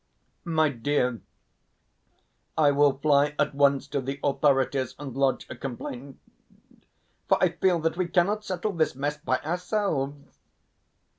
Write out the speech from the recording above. "My dear! I will fly at once to the authorities and lodge a complaint, for I feel that we cannot settle this mess by ourselves."